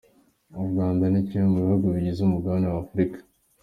U Rwanda nikimwe mubihugu bigize umugabane wa afurika.